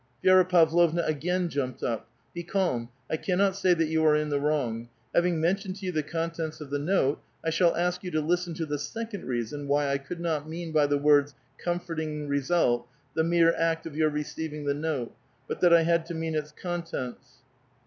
Vi6ra Pavlovna again jumped up. *' Be calm ; I cannot say that you are in the wrong. Hav ing mentioned to you the contents of the note, I shall ask vou to listen to the second reason whv I could not mean bv the words * comforting result ' the mere act of your receiving the note, but that I had to mean its contents.